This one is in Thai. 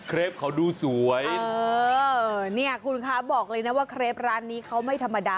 ปเขาดูสวยเออเนี่ยคุณคะบอกเลยนะว่าเครปร้านนี้เขาไม่ธรรมดา